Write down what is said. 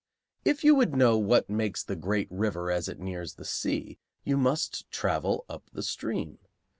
If you would know what makes the great river as it nears the sea, you must travel up the stream.